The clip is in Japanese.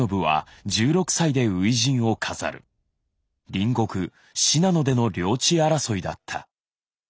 隣国信濃での領地争いだった。